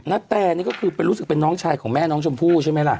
นาแตนี่ก็คือรู้สึกเป็นน้องชายของแม่น้องชมพู่ใช่ไหมล่ะ